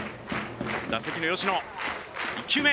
打席の吉野１球目